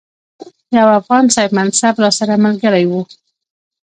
یو افغان صاحب منصب راسره ملګری وو.